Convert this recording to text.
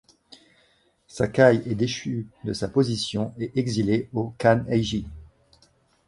Sakai est déchu de sa position et exilé au Kan'ei-ji.